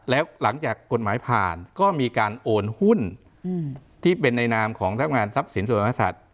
แล้วหลังจากกฎหมายผ่านก็มีการโอนหุ้นที่เป็นในนามของทรัพงานทรัพย์สินส่วนมากษัตริย์